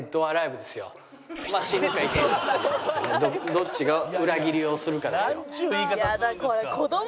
どっちが裏切りをするかですよ。